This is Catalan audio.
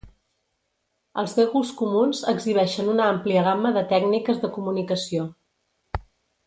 Els degus comuns exhibeixen una àmplia gamma de tècniques de comunicació.